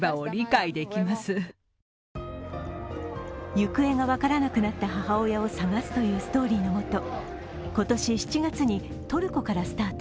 行方が分からなくなった母親を探すというストーリーのもと今年７月にトルコからスタート。